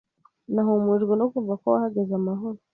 Nahumurijwe no kumva ko wahageze amahoro.